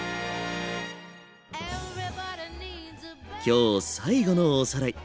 今日最後のおさらい。